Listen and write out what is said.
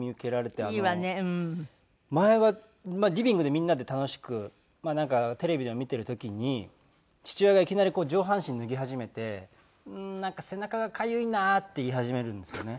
前はリビングでみんなで楽しくテレビでも見てる時に父親がいきなり上半身脱ぎ始めて「うーんなんか背中がかゆいな」って言い始めるんですよね。